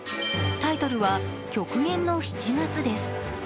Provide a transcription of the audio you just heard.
タイトルは「極限の７月」です。